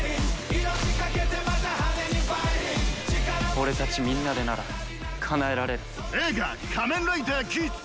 俺たちみんなでならかなえられる。